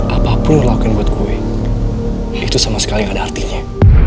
apapun lo lakukan buat gue itu sama sekali gak ada artinya